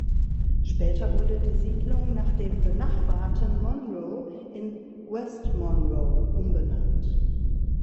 Später wurde die Siedlung nach dem benachbarten Monroe in West Monroe umbenannt.